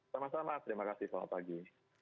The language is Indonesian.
sama sama terima kasih selamat pagi